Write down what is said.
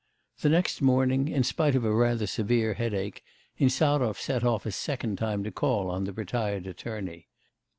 The next morning, in spite of a rather severe headache, Insarov set off a second time to call on the retired attorney.